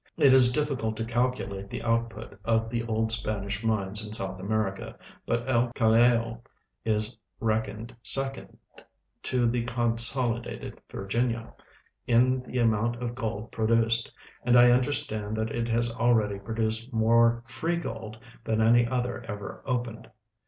It is diffi cult to calculate the output of the old Spanish mines in South America, hut El Callao is reckoned second to the Consolidated Virginia in the amount of g(fld ])roduced, and I understand that it has already produced more " free gold " than any other eA'er o])ened.